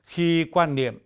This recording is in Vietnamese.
khi quan niệm